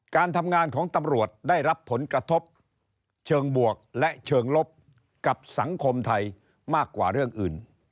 การทำงานของตำรวจได้รับผลกระทบเชิงบวกและเชิงลบกับสังคมไทยมากกว่าเรื่องอื่น